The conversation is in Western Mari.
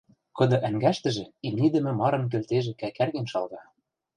кыды ӓнгӓштӹжӹ имнидӹмӹ марын кӹлтежӹ кӓкӓрген шалга.